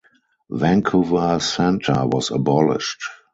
Vancouver Centre was abolished.